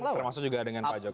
termasuk juga dengan pak jokowi